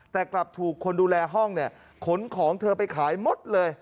แต่กลับถูกคนดูแลห้องเนี่ยขนของเธอไปขายหมดเลย